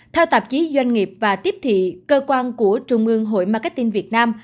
theo tạp chí doanh nghiệp và tiếp thị cơ quan của trung ương hội marketing việt nam